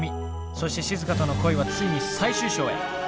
そしてしずかとの恋はついに最終章へ。